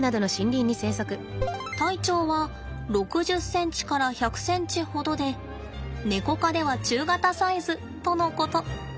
体長は６０ｃｍから１００ｃｍほどでネコ科では中型サイズとのこと。